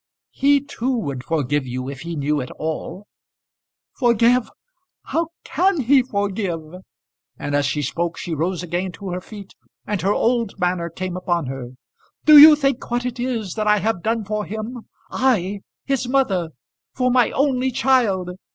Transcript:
"He too would forgive you if he knew it all." "Forgive! How can he forgive?" And as she spoke she rose again to her feet, and her old manner came upon her. "Do you think what it is that I have done for him? I, his mother, for my only child?